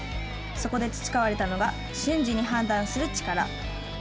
そこで培われたのが瞬時に判断する力。